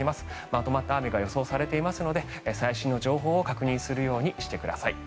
まとまった雨が予想されていますので最新の情報を確認するようにしてください。